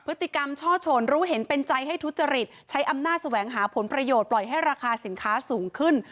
พฤติกรรมช่อชนรู้เห็นเป็นใจให้ทุจริตใช้อำนาจแสวงหาผลประโยชน์ปล่อยให้ราคาสินค้าสูงขึ้น